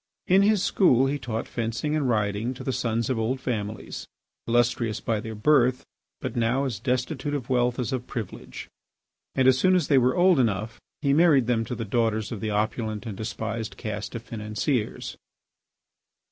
In his school he taught fencing and riding to the sons of old families, illustrious by their birth, but now as destitute of wealth as of privilege. And as soon as they were old enough he married them to the daughters of the opulent and despised caste of financiers.